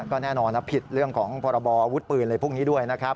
ก็แน่นอนผิดเรื่องของปวุฒิปืนอะไรพวกนี้ด้วยนะครับ